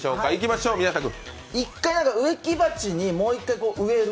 植木鉢にもう一回植える。